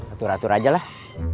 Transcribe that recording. atur atur aja lah